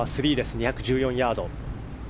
２１４ヤード。